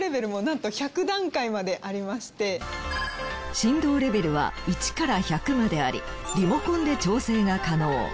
振動レベルは１から１００までありリモコンで調整が可能。